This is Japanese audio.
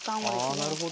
あなるほど。